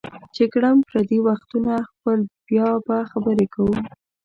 چې کړم پردي وختونه خپل بیا به خبرې کوو